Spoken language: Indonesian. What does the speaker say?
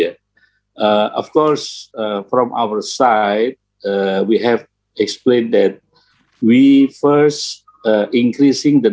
tentu saja dari sisi kami kami telah menjelaskan bahwa